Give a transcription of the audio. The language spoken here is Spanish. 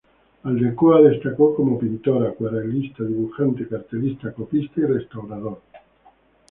Aldecoa destacó como pintor, acuarelista, dibujante, cartelista, copista y restaurador.